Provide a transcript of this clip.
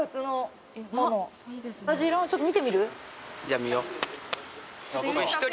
ちょっと見てみる？